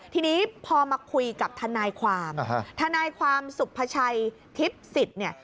ทีนี้พอมาคุยกับทนายความทนายความสุภาชัยทิพย์สิทธิ์เนี่ย